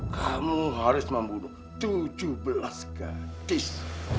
kamu harus membunuh tujuh belas gratis